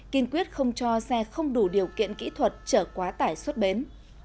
kiên quyết không cho xe không đủ điều kiện kỹ thuật chở quá tải xuất bến